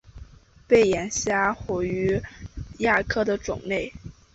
背眼虾虎鱼亚科的种类。